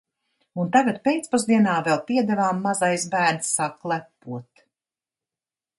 Un tagad pēcpusdienā vēl piedevām mazais bērns sāk klepot.